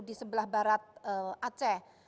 di sebelah barat aceh